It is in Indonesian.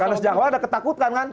karena sejak awal ada ketakutan kan